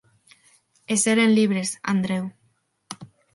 E seren libres, Andreu.